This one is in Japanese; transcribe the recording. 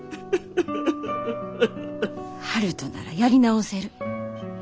悠人ならやり直せる。